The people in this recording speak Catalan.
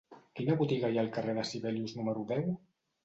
Quina botiga hi ha al carrer de Sibelius número deu?